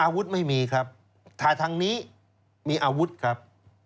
อาวุธไม่มีครับถ้าทางนี้มีอาวุธครับ